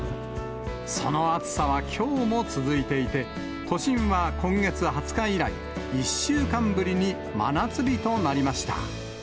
その暑さはきょうも続いていて、都心は今月２０日以来、１週間ぶりに真夏日となりました。